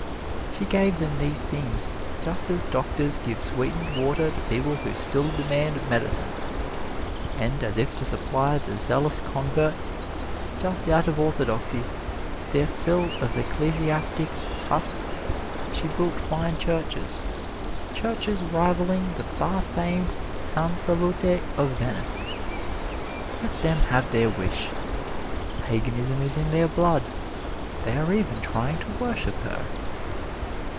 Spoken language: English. She gave them these things, just as doctors give sweetened water to people who still demand medicine; and as if to supply the zealous converts, just out of orthodoxy, their fill of ecclesiastic husks, she built fine churches churches rivaling the far famed San Salute of Venice. Let them have their wish! Paganism is in their blood they are even trying to worship her!